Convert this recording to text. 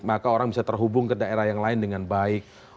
maka orang bisa terhubung ke daerah yang lain dengan baik